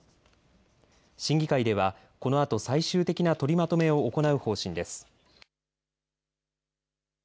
審議会ではこのあと最終的な取りまとめを行う方針です。